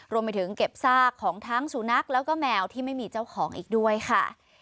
รวมไปถึงเก็บซากของทั้งสุนัขแล้วก็แมวที่ไม่มีเจ้าของอีกด้วยค่ะ